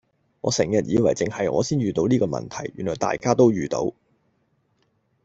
我成日以為淨係我先遇到呢個問題，原來大家都遇到